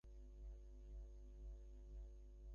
সে তাদের রক্ষা করে এবং প্রথম সূত্রটি সমাধান করে।